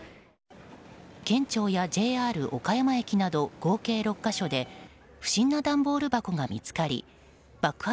県庁や、ＪＲ岡山駅など合計６か所で不審な段ボール箱が見つかり爆破